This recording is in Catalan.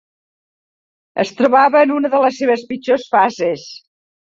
Es trobava en una de les seves pitjors fases